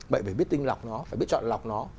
vậy phải biết tinh lọc nó phải biết chọn lọc nó